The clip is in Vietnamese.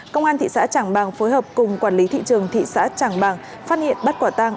công an thị xã trảng bàng phối hợp cùng quản lý thị trường thị xã trảng bàng phát hiện bắt quả tang